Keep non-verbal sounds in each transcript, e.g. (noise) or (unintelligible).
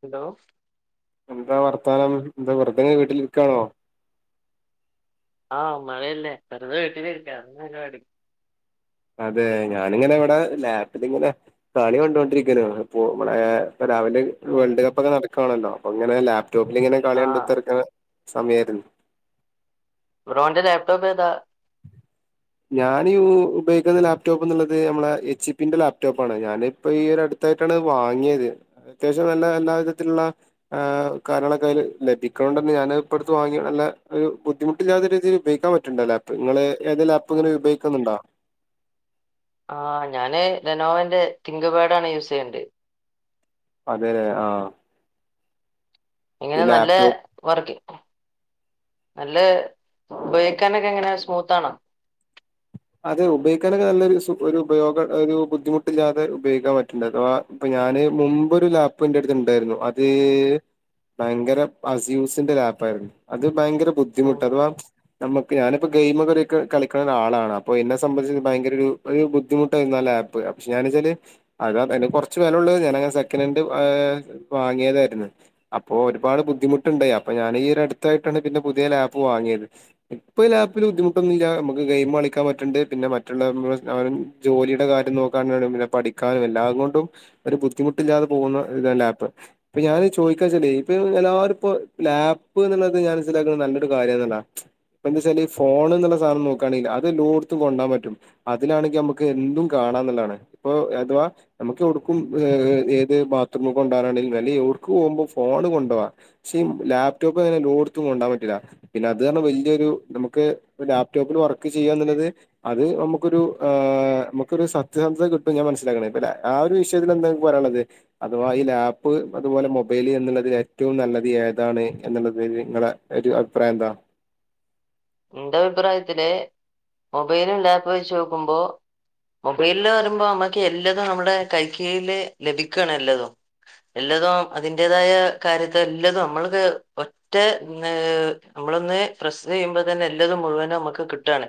Hello എന്താ വർത്തമാനം എന്താ വെറുതേ (unintelligible) വീട്ടിൽ ഇരിക്കണോ ആഹ് മഴയല്ലേ വെറുതെ വീട്ടിലിരിക്ക അ തന്നെ പരിപാടി അതെ ഞാനിങ്ങനെ ഇവിടെ ലാപ്പിലിങ്ങനെ കളി കണ്ടോണ്ടിരിക്കണ് പ്പൊമ്പളെ രാവിലെ വേൾഡ് കപ്പൊക്കെ നടക്ക് ക്കാണല്ലോ അപ്പൊ അങ്ങനെ ലാപ്പ് ടോപ്പിലിങ്ങനെ ആഹ് കളികണ്ടൊത്തിരിക്കണെ സമയരുന്നു ബ്രോൻ്റെ ലാപ്ടോപ്പ് ഏതാ ഞാൻ യു ഉപയോഗിക്കുന്ന ലാപ്ടോപ്പ് എന്നുള്ളത് മ്മളെ എച്ച് പി ന്റെ ലാപ്ടോപ്പ് ആണ് ഞാന് ഇപ്പം ഈരു അടുത്തായിട്ടാണ് വാങ്ങിയത് അത്യാവശ്യം നല്ല എല്ലാ വിധത്തിലുള്ള ആ കാര്യങ്ങളൊക്കെ അതില് ലഭിക്കണോ ണ്ടന്നാ ഞാൻ ഇപ്പഴടുത്തു വാങ്ങി നല്ലരു ബുദ്ധിമുട്ടില്ലാത്ത രീതിയിൽ ഉപയോഗിക്കാൻ പറ്റുന്നുണ്ട് ലാപ്പ് നിങ്ങള് ഏത് (unintelligible) ഉപേഗിക്കുന്നുണ്ടോ ആഹ് ഞാന് ലെനോവ ൻ്റെ തിങ്ക് പാഡ് ആണ് യൂസ് ചെയ്യുന്നുണ്ട് അതേല്ലെ ആഹ് എങ്ങനെ ഈ നല്ല ലാപ്ടോപ്പ് വർക്കി നല്ല ഉപയോഗിക്കാനൊക്കെ എങ്ങനെ സ്മൂത്ത് ആണോ അത് ഉപയോഗിക്കാനൊക്കെ നല്ലൊരു സൂ ഒരു ഉപയോഗ ഒരു ബുദ്ധിമുട്ടില്ലാതെ ഉപയോഗിക്കാൻ പറ്റ്ണ്ട് ഇപ്പൊ ഞാൻ മുൻപൊരു ലാപ്ടോപ്പ് എൻ്റടുത്ത് ഇണ്ടായിരുന്നു അത് ഭയങ്കര അസൂസ് ൻ്റെ ലാപ് ആയിരുന്നു അത് ഭയങ്കര ബുദ്ധിമുട്ട് അതവ നമുക്ക് ഞാനിപ്പോ ഗെയിമൊക്കെ (unintelligible) കളിക്കുന്ന ഒരാളാണ് അപ്പോ എന്നെ സംബന്ധിച്ച് ഭയങ്കര ഒരു ഒരു ബുദ്ധിമുട്ടായിരുന്നു ആ ലാപ്പ് പക്ഷെ ഞാൻ വെച്ചാല് അത് അതിന് കുറച്ച് വിലയേ ഉള്ളൂ ഞാനത് സെക്കൻഡ് ഹാൻഡ് വാങ്ങിയതായിരുന്നു അപ്പോ ഒരുപാട് ബുദ്ധിമുട്ടുണ്ടായി അപ്പൊ ഞാൻ ഈ ഒരു അടുത്തായിട്ടാണ് പിന്നെ പുതിയ ലാപ്പ് വാങ്ങിയത് ഇപ്പൊ ലാപ്പിൽ ബുദ്ധിമുട്ടൊന്നുമില്ല നമുക്ക് ഗെയിം കളിക്കാൻ പ റ്റ്ണ്ട് പിന്നെ മറ്റുള്ള (unintelligible) നമ്മുടെ ജോലിയുടെ കാര്യം നോക്കാനും പിന്നെ പഠിക്കാനും എല്ലാം കൊണ്ടും ഒര് ബുദ്ധിമുട്ടില്ലാതെ പോകുന്ന ഇതാണ് ലാപ്പ് ഇപ്പം ഞാൻ ഈ ചോദിക്കാന്ന് വെച്ചാല് ഇപ്പം എല്ലാവരും ഇപ്പോ ലാപ്പ് ന്ന്ള്ളത് ഞാൻ മനസിലാക്ക്ണത് നല്ലൊരു കാര്യം എന്താന്ന് വെച്ചാ ഫോൺ എന്നുള്ള സാധനം നോക്കുകയാണെന്നുണ്ടെങ്കിൽ അത് ലോട് ത്ത് കൊണ്ടോവാൻ പറ്റും അതിലാണെങ്കി നമക്ക് എന്തും കാണാമെന്നുള്ളതാണ് ഇപ്പൊ അഥവാ നമുക്ക് എവിട്ക്കും ഏത് ബാത്റൂമിൽ കൊണ്ടുപോകാനാണെങ്കിലും അല്ലെ എവിടേക്ക് പോകുമ്പോഴും ഫോണ് കൊണ്ടുപോവാ പക്ഷെ ലാപ്ടോപ്പ് അങ്ങനെ എല്ലോട്ത്തും കൊണ്ടകാൻ പറ്റില്ല പിന്നെ അത് പർഞ്ഞ വലിയൊരു നമുക്ക് ലാപ്ടോപ്പിൽ വർക്ക് ചെയ്യാം ന്ന്ള്ളത് അത് നമുക്കൊരു ഏ നമുക്കൊരു സത്യസന്ധത കിട്ടും ഞാൻ മനസ്സിലാക്കണെ ഇ ആഹ് ഒരു വിഷയത്തിൽ എന്താ പറയാനുള്ളത് അഥവാ ഈ ലാപ്പ് അതുപോലെ മൊബൈല് എന്നുള്ളതിൽ ഏറ്റവും നല്ലത് ഏതാണ് എന്നുള്ളതി നിങ്ങളെ ഒരു അഭിപ്രായം എന്താ? ഇന്റെ അഭിപ്രായത്തില് മൊബൈലും ലാപ്പും വെച്ച് നോക്കുമ്പോ മൊബൈലില് വരുമ്പോ നമ്മുക്ക് എല്ലാതും നമ്മുടെ കൈ കീഴില് ലഭിക്കാണ് എല്ലാതും എല്ലാതും അതിൻ്റേതായ കാര്യത്തെ എല്ലാതും നമ്മൾക്ക് ഒറ്റ നമ്മളൊന്ന് പ്രസ് ചെയ്യുമ്പോ എല്ലാതും മുഴുവനും നമുക്ക് കിട്ടുകയാണ്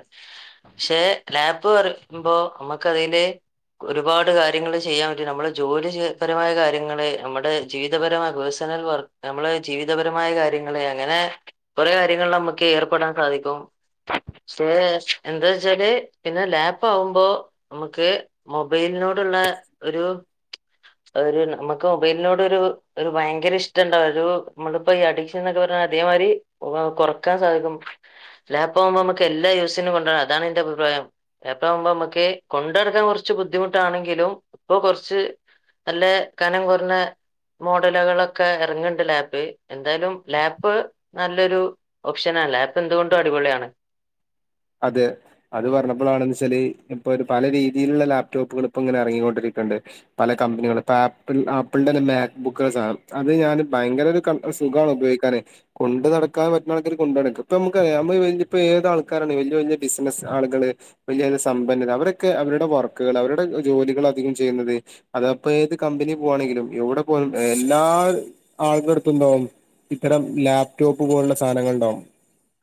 പക്ഷെ ലാപ്പ് പറയുമ്പോ നമുക്കതില് ഒരുപാട് കാര്യങ്ങൾ ചെയ്യാൻ പറ്റും നമ്മുടെ ജോലി പരമായ കാര്യങ്ങള് നമ്മുടെ ജീവിതപരമായ പേഴ്സണൽ വർക്ക് നമ്മെ ജീവിതപരമായ കാര്യങ്ങള് അങ്ങനെ കുറേ കാര്യങ്ങൾ നമുക്ക് ഏർപ്പെടാം സാധിക്കും പക്ഷേ എന്താ വച്ചാല് പിന്നെ ലാപ്പ് ആവുമ്പോ നമുക്ക് മൊബൈലിനോടുള്ള ഒരു ഒരു നമുക്ക് മൊബൈലിനോട് ഒരു ഭയങ്കര ഇഷ്ടുണ്ടാവും ഒരു നമ്മളിപ്പോ ഈ അഡിക്ഷൻ എന്നൊക്കെ പറയുന്ന അതേമാതിരി കൊറക്കാൻ സാധിക്കും ലാപ്പ് ആവുമ്പോൾ നമുക്ക് എല്ലാ യൂസിനും കൊണ്ടാം അതാണ് എന്റെ അഭിപ്രായം ലാപ്പ് ആവുമ്പോൾ നമുക്ക് കൊണ്ട്നടക്കാൻ കുറച്ച് ബുദ്ധിമുട്ടാണെങ്കിലും ഇപ്പൊ കുറച്ച് നല്ല കനം കുറഞ്ഞ മോഡലുകളൊക്കെ ഇറങ്ങുന്നുണ്ട് ലാപ്പ് എന്തായാലും ലാപ്പ് നല്ലൊരു ഓപ്ഷനാ ലാപ്പ് എന്തുകൊണ്ടും അടിപൊളിയാണ് അതെ അത് പറഞ്ഞപ്പോഴാണ് എന്ന് വെച്ചാല് ഇപ്പൊ ഒരു പല രീതിയിലുള്ള ലാപ്ടോപ്പുകൾ ഇപ്പോ ഇങ്ങനെ ഇറങ്ങിക്കൊണ്ടിരിക്കുന്നുണ്ട് പല കമ്പനികൾ ഇപ്പ ആപ്പിൾ ആപ്പിളിന്റെ മാ ബുക്കുകൾ അത് ഞാൻ ഭയങ്കര (unintelligible) സുഖമാണ് ഉപയോഗിക്കാന് കൊണ്ട് നടക്കാൻ പറ്റുന്ന ആൾക്കാര് കൊണ്ട് നടക്കും ഇപ്പം നമുക്ക് അറിയാവുന്ന ഏത് ആൾക്ക് ക്കാരുണ്ട് വലിയ വലിയ ബിസിനസ് ആളുകള് വലിയ സമ്പന്നർ അവരൊക്കെ അവരുടെ വർക്കുകൾ അവരുടെ ജോലികൾ അധികം ചെയ്യുന്നത് അതപ്പോ ഏത് കമ്പനി പോുകവാണെങ്കിലും എവിടെ പോകുവാണെങ്കിലും എല്ലാ ആൾക്കടുത്തും ഉണ്ടാവും ഇത്തരം ലാപ്ടോപ്പ് പോലുള്ള സാധനങ്ങൾ ഉണ്ടാകും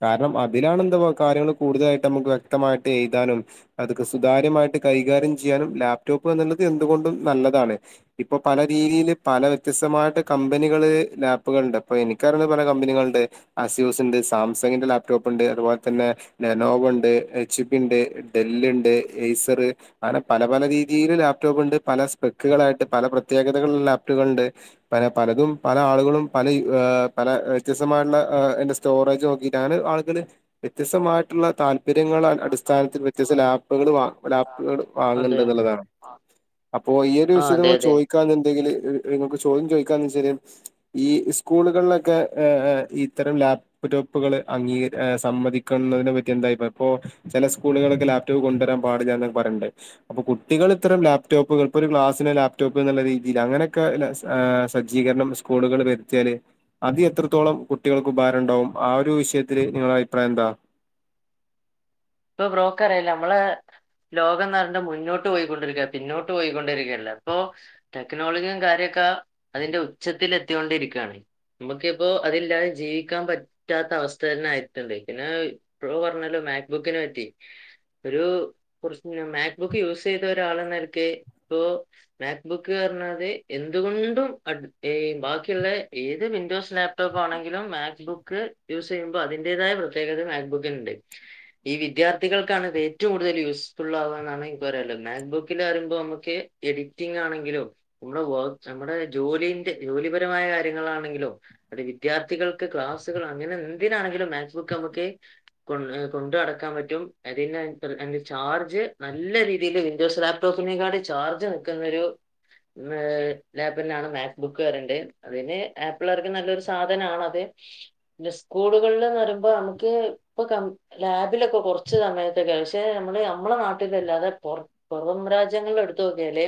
കാരണം അതിലാണ് എന്താ കാര്യങ്ങൾ കൂടുതലായിട്ട് നമുക്ക് വ്യക്തമായിട്ട് എയ്താനും അതൊക്കെ സുതാര്യമായിട്ട് കൈകാര്യം ചെയ്യാനും ലാപ്ടോപ്പ് എന്ന്ള്ളത് എന്തുകൊണ്ടും നല്ലതാണ് ഇപ്പൊ പല രീതിയിൽ പല വ്യത്യസ്തമായിട്ട് കമ്പനികള് ലാപ്പുകളുണ്ട് അപ്പോ എനിക്കറിയുന്ന പല കമ്പനികളുണ്ട് അസ്യൂസ്ണ്ട് സാംസങ്ങിന്റെ ലാപ്ടോപ്പ്ണ്ട് അതുപോലെ തന്നെ ലെനോവണ്ട് എച്ച്പിണ്ട് ഡെല്ല്ണ്ട് എയ്സർ അങ്ങനെ പല പല രീതിയില് ലാപ്ടോപ്പ്ണ്ട് പല സ്പെക്കുകളായിട്ട് പല പ്രത്യേകതകൾള്ള ലാപ്ട്കള്ണ്ട് പ പലതും പല ആളുകളും പല പല വ്യത്യസ്തമായിട്ടുള്ള അയ്ൻ്റെ സ്റ്റോറേജ് നോക്കിയിട്ടാണ് വാങ്ങ്ന്നത് വ്യത്യസ്തമായിട്ടുള്ള താൽ പര്യങ്ങളെ അടിസ്ഥാനത്തിൽ വ്യത്യസ്ഥ ലാപ്പുകൾ വാ ലാപ്പുകൾ അതെ വാങ്ങണ്ട്ന്ന്ള്ളതാണ് അപ്പോ ഈ ഒരു ആ വിഷയം അതെ അതെ ചോദിക്കാന്നുണ്ടെങ്കില് നിങ്ങക്ക് ചോദ്യം ചോദിക്കാന്ന് വെച്ചാല് ഈ സ്കൂൾകൾലൊക്കെ ഏ ഏ ഇത്തരം ലാപ് ടോപ്പുകൾ അംഗീകരി ഏ സമ്മതിക്കുന്നതിനെ പറ്റി എന്തായിപ്രാ ഇപ്പോ ചെല സ്കൂളുകളൊക്കെ ലാപ്ടോപ്പ് കൊണ്ടുവരാൻ പാടില്ലന്ന് പറയ്ണ്ട് അപ്പൊ കുട്ടികൾ ഇത്തരം ലാപ്ടോപ്പുകൾ ഇപ്പോ ഒരു ക്ലാസ്സിന് ലാപ്ടോപ്പ് ന്നുള്ള രീതിയിൽ അങ്ങനെയൊക്കെ സജ്ജീകരണം സ്കൂളുകൾ വരുത്തിയാല് അത് എത്രത്തോളം കുട്ടികൾക്ക് ഉപകാരംണ്ടാവും ആ ഒരു വിഷയത്തിൽ നിങ്ങള അ പ്രായന്താ ഇപ്പൊ ബ്രോക്ക് അറിയാല്ല നമ്മളെ ലോകംന്ന് പറഞ്ഞ മുന്നോട്ട് പോയിക്കൊണ്ടിരിക്ക പിന്നോട്ട് പോയിക്കൊണ്ടിരിക്കയല്ല ഇപ്പൊ ടെക്നോളജിയും കാര്യൊക്കെ അതിന്റെ ഉച്ചത്തിൽ എത്തിയോണ്ടിരിക്കയാണ് നമുക്കിപ്പോ അതില്ലാതെ ജീവിക്കാൻ പറ്റാത്ത അവസ്ഥ തന്നെ ആയിട്ടുണ്ട് പിന്നെ ബ്രോ പറഞ്ഞാലോ മാക് ക്. ബുക്കിനെ പറ്റി ഒരു കുറച്ച് മാക്ബുക്ക് യൂസ് ചെയ്ത ഒരാൾ ന്ന നിലക്ക് ഇപ്പോ മാക്ബുക്ക് പറഞ്ഞത് എന്തുകൊണ്ടും ബാക്കിയുള്ള ഏത് വിൻഡോസ് ലാപ്ടോപ്പ് ആണെങ്കിലും മാക്സ്ബുക്ക് യൂസ് ചെയ്യുമ്പോ അതിന്റേതായ പ്രത്യേകത മാക്ബുക്കിന്ണ്ട് ഈ വിദ്യാർത്ഥികൾക്കാണത് ഏറ്റവും കൂടുതൽ യൂസ്ഫുൾ ആവുക എന്നാണ് എനിക്ക് പറയാല്ലത് മാക് ബുക്കിൽ പറിമ്പോ നമുക്ക് എഡിറ്റിംഗാണെങ്കിലും നമ്മുടെ വർക്ക് നമ്മുടെ ജോലിന്റെ ജോലിപരമായ കാര്യങ്ങളാണെങ്കിലും അത് വിദ്യാർത്ഥികൾക്ക് ക്ലാസ്സുകൾ അങ്ങനെന്തിനാണെങ്കിലും മാക്ബുക്ക് നമുക്ക് കൊ കൊണ്ട് നടക ക്കാൻ പറ്റും (unintelligible) ചാർജ് നല്ല രീതിൽ വിൻഡോസ് ലാപ്ടോപ്പിനേക്കാട്ടി ചാർജ് നിക്കുന്നൊരു ഏ ലാബ്ന്നാണ് മാക്ബുക്ക്റീണത് അതിന് ആപ്പിള്ളേർക്ക് നല്ലരു സാധനണത് പിന്നെ സ്കൂളുകൾല്ന്ന് പറയ്മ്പോ നമുക്ക് ഇപ്പൊ കമ്പ് ലാപ് പിലൊക്കെ കൊറച്ച് സമയത്തൊക്കെ പക്ഷെ നമ്മള് നമ്മളെ നാട്ടിലല്ലാതെ പു പുറം രാജ്യങ്ങളിൽ എടുത്ത് നോക്കിയാല്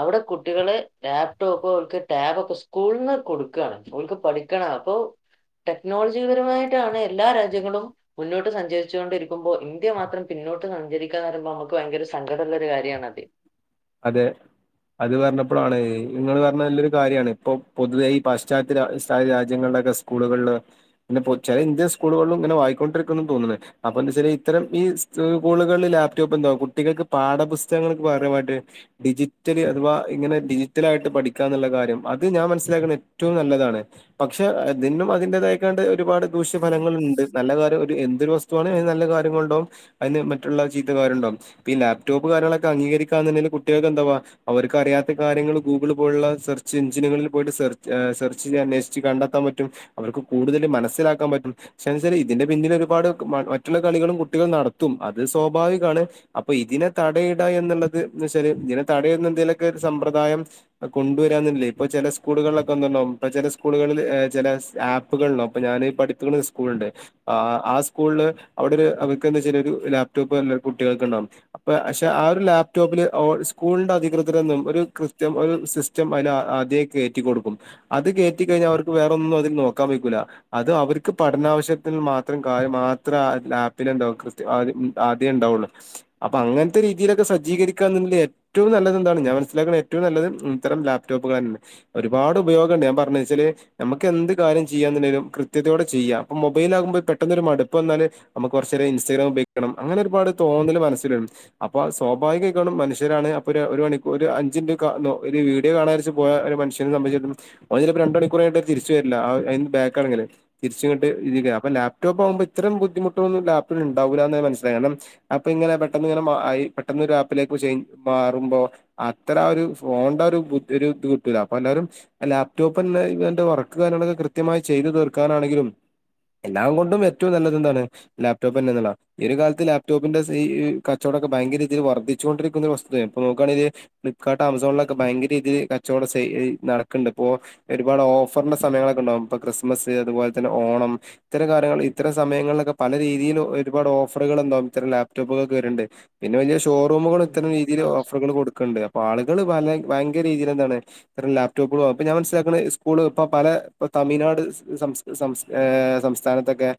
അവിടെ കുട്ടികള് ലാപ്ടോപ്പ് അവർക്ക് ടാബൊക്കെ സ്കൂളില്ന്ന് കൊടുക്കാണ് ഓൽക്ക് പഠിക്കണം അപ്പോ ടെക്നോളജിപരമായിട്ടാണ് എല്ലാ രാജ്യങ്ങളും മുന്നോട്ട് സഞ്ചരി ചോണ്ടിരിക്കുമ്പോ ഇന്ത്യ മാത്രം പിന്നോട്ട് സഞ്ചരിക്കാന്ന് പറയുമ്പോ മക്ക് ഭയങ്കര സങ്കടള്ളെരു കാര്യാണത് അതെ അത് പറഞ്ഞപ്പോളാണ് ഇങ്ങൾ പറഞ്ഞ നല്ലൊരു കാര്യാണ് ഇപ്പൊ പൊതുവേ ഈ പാശ്ചാത്യ രാ രാജ്യങ്ങളിലൊക്കെ സ്കൂളുകളില് ന്നെ ചെല ഇന്ത്യൻ സ്കൂളുകളിലും ഇങ്ങനെ വായിക്കൊണ്ടിരിക്കുന്നു തോന്ന്ണ് അപ്പ എന്താ വെച്ചല് ഇത്തരം ഈ സ് കൂളുകളിൽ ലാപ്ടോപ്പ് എന്താ കുട്ടികൾക്ക് പാഠപുസ്തകങ്ങൾക്ക് പകരമായിട്ട് ഡിജിറ്റലി അഥവാ ഇങ്ങനെ ഡിജിറ്റലായിട്ട് പഠിക്കാ എന്ന്ള്ള കാര്യം അത് ഞാൻ മനസ്സിലാക്ക്ണ ഏറ്റവും നല്ലതാണ് പക്ഷെ തിന്നും അതിന്റെതായ്ക്കാണ്ട് ഒരുപാട് ദൂഷ്യഫലങ്ങള്ണ്ട് നല്ല കാര്യം ഒര് എന്തൊരു വസ്തുവാണെ അയ്ന് നല്ല കാര്യങ്ങള്ണ്ടാവും അയ്ന് മറ്റുള്ള ചീത്ത കാര്യണ്ടാകും ഇപ്പ ഈ ലാപ്ടോപ്പ് കാര്യങ്ങളൊക്കെ അംഗീകരിക്കാന്നുണ്ടേൽ കു കുട്ടികൾക്ക് എന്താവാ അവർക്ക്റിയാത്ത കാര്യങ്ങൾ ഗൂഗിൾ പോലുള്ള സെർച്ച് എഞ്ചിനുകളിൽ പോയിട്ട് സെർച്ച് സെർച്ച് അന്വേഷിച്ച് കണ്ടെത്താം പറ്റും അവർക്ക് കൂടുതൽ മനസ്സിലാക്കാം പറ്റും പക്ഷെ ന്ത്ച്ചാൽ ഇതിന്റെ പിന്നിലൊരുപാട് മറ്റുള്ള കളികളും കുട്ടികൾ നടത്തും അത് സ്വാഭാവികമാണ് അപ്പൊ ഇതിനെ തടയിട എന്ന്ള്ളത് ഇതിനെ തടയ്ട്ന്ന എന്തേലൊക്കെര് സമ്പ്രദായം കാെണ്ടുവരാന്നില്ലെ ഇപ്പൊ ചെല സ്കൂളുകളിലൊക്കെന്ത്ണ്ടാവും ഇ ചെല സ്കൂളുകളിൽ ചെല ആപ്പ്കള്ണ്ടാവും പ്പൊ ഞാന് പഠിപിക്ക്ന്ന ഒര് സ്കൂള്ണ്ട് ആ ആ സ്കൂളില് അവിടെ ഒരു അവർക്ക് എന്താച്ചാല് ഒര് ലാപ്ടോപ്പ് കുട്ടികൾക്ക്ണ്ടകും അപ്പ ക്ഷെ ആ ഒരു ലാപ്ടോപ്പില് ഓ സ്കൂളിന്റെ അധികൃതരൊന്നും ഒരു കൃത്യം ഒരു സിസ്റ്റം അയ്ന ആദ്യേ കേറ്റിക്കൊട്ക്കും അത് കേറ്റിക്കഴിഞ്ഞാ അവർക്ക് വേറൊന്നും അതിൽ നോക്കാൻ വെയ്ക്കൂല അത് അവര്ക്ക് പഠനാവശ്യത്തിന്ന് മാത്രം കാര്യം മാത്രം ലാപ്പില് ഉണ്ടാവും കത് ആദ്യേ ഉണ്ടാവുള്ളു അപ്പൊ അങ്ങനത്തെ രീതിയിലൊക്കെ സജ്ജീകരി ക്ക ഏറ്റവും നല്ലത് എന്താണ് ഞാൻ മനസിലാക്കുന്ന ഏറ്റവും നല്ലത് ഇത്തരം ലാപ്ടോപ്പുകളെന്നെ ഒരുപാട് ഉപയോഗംണ്ട് ഞാൻ പറഞ്ഞെച്ചല് നമുക്ക് എന്ത് കാര്യം ചെയ്യാന്നുണ്ടേലും കൃത്യതയോടെ ചെയ്യാം അപ്പൊ മൊബൈലാകുമ്പോ പെട്ടൊന്നാെരു മടുപ്പ് വന്നാല് നമുക് കൊറച്ചേരം ഇൻസ്റ്റഗ്രാം ഉപയോഗിക്കണം അങ്ങനെ ഒരുപാട് തോന്നൽ മനസ്സൽ വ അപ്പോ സ്വാഭാവിക മനുഷ്യരാണ് അപ്പൊര് ഒരു മണി ഒരു അഞ്ചിൻറ്റ് കാ നോ ഒര് വീഡിയോ കാണാര്ച്ച് പോയ ഒരു മനുഷനെ സംബന്ധിച്ചി ഓൻ ചെലപ്പോ രണ്ടു മണിക്കൂറയ്ഞ്ഞ്ട്ട് തിരിച്ചു വരില്ല അയ്ന് ബാക്കാണെങ്കില് തിരിച്ച്ങ്ങട്ട് ഇ അപ്പ ലാപ്ടോപ്പ് ആകുമ്പോ ഇത്തരം ബുദ്ധമുട്ട്കളൊന്നും ലാപ്ന്ണ്ടാവൂല്ലാന്ന് ഞാ മനസിലായി കാരണം അ ഇപ്പ ണനെ പെട്ടന്ന്ങ്ങനെ പെട്ടെന്ന് ലേക്ക് ചെയ് മാറുമ്പോ അത്ര ഒരു ഫോണ്ന്റെ ആ ഒരു ബു ഇത് കിട്ടൂല അപ്പൊ എല്ലാരും ലാപ്ടോപ്പെന്നെ വർക്ക് കാര്യങ്ങളൊക്കെ കൃത്യമായി ചെയ്തു തീർക്കാനാണെങ്കിലും എല്ലാം കൊണ്ടും ഏറ്റവും നല്ലത് എന്താണ് ലാപ്ടോപ്പ് തന്നെന്നള്ളാണ് ഈ ഒരു കാലത്ത് ലാപ്ടോപ്പിന്റെ ഈ കച്ചവടൊക്കെ ഭയങ്ക രീതി വർധി ച്ചു കൊണ്ടിരിക്കുന്ന ഒരു വസ്തുതയാണ് പ്പ നോക്കണെ ദേ ഫ് ളിപ്പ്കാർട്ട് ആമസോണിലൊക്കെ ഭയങ്കരീതിയിൽ കച്ചവടം നടക്ക്ണ്ട് ഇപ്പോ ഒരുപാട് ഓഫറിന്റെ സമയങ്ങളൊക്കെണ്ടാകും ഇപ്പൊ ക്രിസ്മസ് അതുപോലെ തന്നെ ഓണം ഇത്തരം കാര്യങ്ങള് ഇത്തരം സയങ്ങളിലൊക്കെ പല രീതിയിൽ ഒരുപാട് ഓഫറുകൾണ്ടാവും ഇത്തരം ലാപ്ടോപ്പുകൾക്കെവര്ണ്ട് പിന്നെ വലിയ ഷോ റൂമുകളും ഇത്തരം രീതിയില് ആഹ് ഓഫറുകള് കൊടുക്ക്ണ്ട് അപ്പോ ആളുകള് ഭയങ്കര രീതിയിലെന്താണ് ലാപ്ടോപ്പുകളും ഇപ്പൊ ഞാൻ മനസ്സിലാക്ക്ണ സ്കൂള് ഇപ്പ പല തമിഴ്നാട് സംസ് സംസ് ഏ സംസ്ഥാനത്തൊക്കെ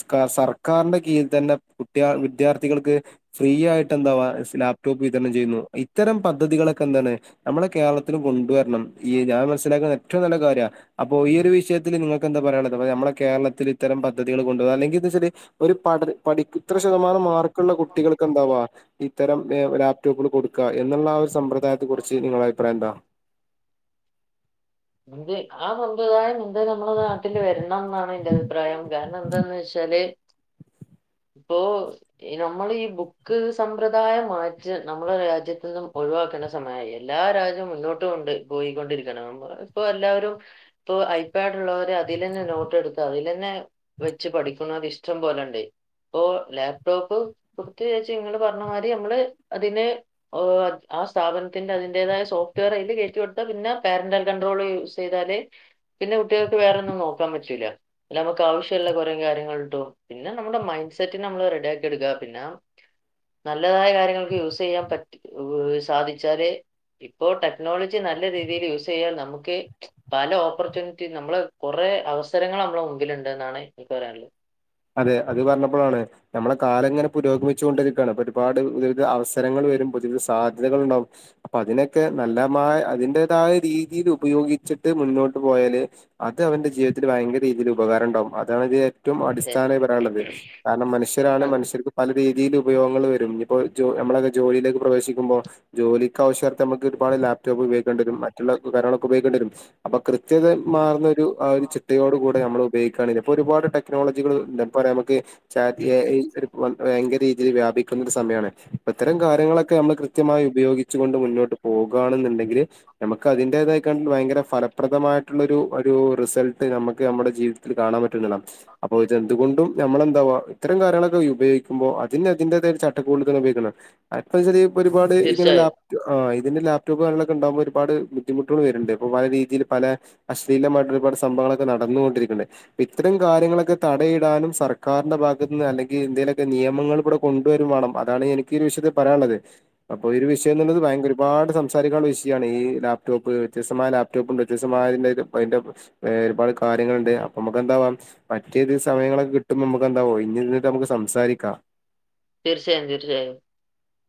സ്ക സർക്കാരിന്റെ കീഴിൽ തന്നെ കുട്ട്യാ വിദ്യാർത്ഥികൾക്ക് ഫ്രീ ആയിട്ട് എന്താവാ ലാപ്ടോപ്പ് വിതരണം ചെയ്യുന്നു ഇത്തരം പദ്ധതികളൊക്കെന്താണ് നമ്മളെ കേരളത്തിലും കൊണ്ടുവരണം ഈ ഞാൻ മനസ്സിലാക്കുന്ന ഏറ്റവും നല്ല കാര്യ അപ്പോ ഈ ഒരു വിഷയത്തില് നിങ്ങക്ക് എന്താ പറയാനുള്ളത് നമ്മളെ കേരളത്തില് ഇത്തരം പദ്ധതികൾ കൊണ്ടുവ അല്ലെങ്കിൽ എന്തെച്ചാല് ഒരു പഠന പഠിക്ക ഇത്ര ശതമാനം മാർക്ക്ള്ള കുട്ടികൾക്ക് എന്താവാ ഇ ലാപ്ടോപ്പ്കള് കൊട്ക്ക എന്ന്ള്ളാ ഒര് സമ്പ്ര ദായത്തെ കുറിച്ച് നിങ്ങളെ അഭിപ്രായം എന്താ എന്ത് ആ സമ്പ്രദായം എന്ത് നമ്മുടെ നാട്ടിൽ വരണംന്നാണ് ന്റെ അഭിപ്രായം കാരണം എന്താന്ന് വെച്ചാല് ഇപ്പോ നമ്മൾ ഈ ബുക്ക് സമ്പ്രദായം മാറ്റ നമ്മളെ രാജ്യത്തുനിന്നും ഒഴിവാക്കേണ്ട സമയമായി എല്ലാ രാജ്യവും മുന്നോട്ട് കൊണ്ട് പോയി കൊണ്ടിരിക്കാണ് നമ്മ ഇപ്പോ എല്ലാവരും ഇപ്പൊ ഐപാഡ്ള്ളവരെ അതിലെന്നെ നോട്ടെടുത്ത് അതിലെന്നെ വെച്ച് പഠിക്കണ അതിഷ്ടം പോലെണ്ട് പ്പോ ലാപ്ടോപ്പ് (unintelligible) ഇങ്ങള് പറഞ്ഞ മാതിരി നമ്മള് അതിന് ആ സ്ഥാപനത്തിന്റെ അതിന്റേതായ സോഫ്റ്റ്വെയർ അയ്ല് കേറ്റി കൊടുത്ത പിന്നെ പേരന്റൽ ള് യൂസ്ചെയ്താല് പിന്നെ കുട്ടികൾക്ക് വേറൊന്നും നോക്കാൻ പറ്റൂല നമുക്ക് ആവശ്യമുള്ള കുറേ കാര്യങ്ങൾ കും പിന്നെ നമ്മുടെ മൈൻഡ് സെറ്റ് നമ്മള് റെഡി ആക്കിയെടുക്ക പിന്നെ നല്ലതായ കാര്യങ്ങൾക്ക് യൂസ് ചെയ്യാൻ പറ്റ സാധിച്ചാല് ഇപ്പോ ടെക്നോളജി നല്ല രീതിയിൽ യൂസ് ചെയ്യാൽ നമു ക്ക്‌ പല ഓപ്പർച്യൂണിറ്റി നമ്മള് കൊറേ അവസരങ്ങള് നമ്മള മുമ്പിലുണ്ട് എന്നാണ് എനിക്ക് പറയാനുള്ളത് അതെ അത് പറഞ്ഞപ്പോഴാണ് നമ്മളെ കാലം ഇങ്ങനെ പുരോഗമിച്ചു കൊണ്ടിരിക്കുകയാണ് അപ്പൊ ഒരുപാട് പുതിവി അവസരങ്ങൾ വരും പുതിയവിധ സാധ്യതകൾ ഉണ്ടാവും അപ്പൊ അതിനൊക്കെ നല്ല അതിന്റേതായ രീതിയിൽ ഉപയോഗിച്ചിട്ട് മുന്നോട്ട് പോയാല് അത് അവന്റെ ജീവിതത്തിൽ ഭയങ്കര രീതിയിൽ ഉപകാരം ഉണ്ടാവും അതാണ്ത് റ്റും അടിസ് അതെ (unintelligible) കാരണം മനുഷ്യരാണ് അതെ. മനുഷ്യർക്ക് പല രീതി തിയിൽ ഉപയോഗങ്ങള് വരും ഇപ്പോൾ നമ്മളക്കെ ജോലിയിലേക്ക് പ്രവേശിക്കുമ്പോ ജോലിക്ക്വശ്യകത്ത് നമുക്ക് ഒരുാട് ലാപ് ടോപ് ഉപയോക്കേണ്ടിവരും മറ്റുള്ള കാര ഉപയിക്കേണ്ടരും അപ്പ കൃത് ഉം. ത്യതമാർന്ന ഒരു ആ ഒരു ചിട്ടയോട് കൂടെ നമ്മൾ ഉപയോഗിക്ക കാണെങ്കില് ഇപ്പ ഒരുപട് ടെക്നോള ജികൾ ണ്ട് ഇപ്പ ആണേ നമുക്ക് ചാറ്റ് എ ഐ ഒരു ഭയങ്കര രീതിയിൽ വ്യാപിക്കുന്ന ഒരു സമയാണ് ഇപ്പ ഇത്തരം കാര്യങ്ങളൊ ക്കെ നമ്മള് കൃത്യമായി ഉപയോഗി ച്ചു കൊണ്ട് മുന്നോട്ട് പോകുകയാണെന്ന്ണ്ടെങ്കിൽ ഞമക്ക് അതിന്റേതായികാണ്ട് ഭയങ്കര ഫലപ്രദമായിട്ടുള്ള ഒരു ഒരു റിസൾട്ട് ഞമ്മക്ക് നമ്മുടെ ജീവിതത്തിൽ കാണാൻ പറ്റുന്നള്ളണ് അപ്പൊ ഇതെന്തുകൊണ്ടും നമ്മളെന്താവാ ഇത്തരം കാര്യങ്ങളൊക്കെയുപയോഗിക്കുമ്പോ അതിനതിന്റേതായ ഒരു ചട്ടക്കൂടിൽ തന്നെ ഉപയോഗിക്കണം പ്പംച്ചാല് ഒരുപാട് ഇങ്ങനെ തീർച്ചയായും ലാപ്റ്റ് ആ ഇതിന്റെ ലാപ് (unintelligible) ഉണ്ടാകുമ്പോ ഒരുപാട് ബുദ്ധിമുട്ടോള് വരുന്നുണ്ട് ഇപ്പോ പല രീതിയില് പല അശ്ലീലമായിട്ട് ഒരുപാട് സംഭവങ്ങളൊക്കെ നടന്നുകൊണ്ടിരിക്കുന്നുണ്ട് പ്പം ഇത്തരം കാര്യങ്ങളൊക്കെ തടയിടാനും സർക്കാരിന്റെ ഭാഗത്ത് നിന്ന് അല്ലെങ്കി എന്തേലൊക്കെ നിയമങ്ങൾ ഇവിടെ കൊണ്ടുവരുംവണം അതാണ് എനിക്ക് ഈ ഒരു വിഷയത്തിൽ പറയാനുള്ളത് അപ്പൊ ഈ ഒരു ഉം. വിഷയന്നുള്ളത് ഭയങ്ക ഒരുപാട് സം സംസാരിക്കാനുള്ള വിഷയമാണ് ഈ ലാപ്ടോപ്പ് വ്യത്യസ്തമായ ലാപ്ടോപ്പ് ഉണ്ട് വ്യത്യസ്തമായതി അതിന്റെ ഒരുപാട് കാര്യങ്ങളുണ്ട് അപ്പൊ നമുക്ക് എന്താവാം മറ്റേത് സമയങ്ങളൊക്കെ കിട്ടുമ്പോ മ്മക്കെന്താ ഒഴിഞ്ഞിരുന്നിട്ടു നമുക്ക് സംസാരിക്കാം തീർച്ചയായും തീർച്ചയായും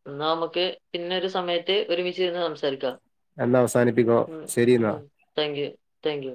എന്നാ നമുക്ക് പിന്നെ ഒരു സമയത്ത് ഒരുമിച്ചിരുന്ന് സംസാരിക്കാം എന്നാ അവസാനിപ്പിക്കോ ഉം ശരി ന്നാ ഉം താങ്ക് യു താങ്ക് യു.